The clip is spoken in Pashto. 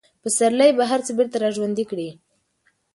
پسرلی به هر څه بېرته راژوندي کړي.